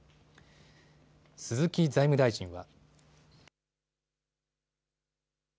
鈴木財務大臣は。